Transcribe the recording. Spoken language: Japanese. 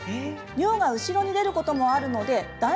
尿が後ろに出ることもあるのでだ